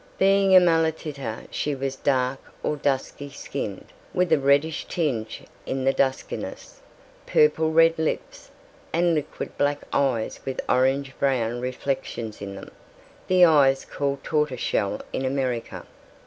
Being a mulatita she was dark or dusky skinned, with a reddish tinge in the duskiness, purple red lips, and liquid black eyes with orange brown reflections in them the eyes called tortoiseshell in America.